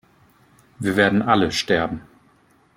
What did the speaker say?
Wir werden alle sterben!